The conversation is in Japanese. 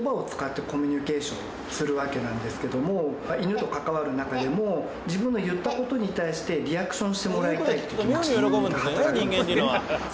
犬と関わる中でも自分の言った事に対してリアクションしてもらいたいっていう気持ち人間って働くんですね。